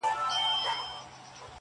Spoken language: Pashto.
مور له خلکو شرم احساسوي او ځان پټوي,